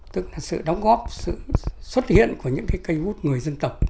tức là sự đóng góp sự xuất hiện của những cái cây bút người dân tộc